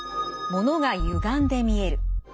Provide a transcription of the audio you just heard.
ものがゆがんで見える。